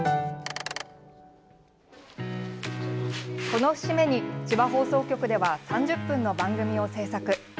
この節目に、千葉放送局では３０分の番組を制作。